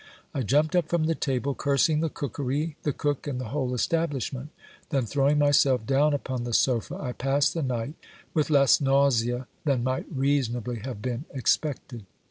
I jumped up from table, cursing the cookery, the cook, and the whole establishment ; then, throwing myself down upon the sofa, I passed the night with less nausea than might reasonably have been ex pected.